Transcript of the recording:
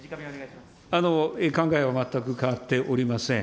考えは全く変わっておりません。